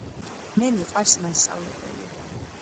მე მიყვარს მასწავლებელი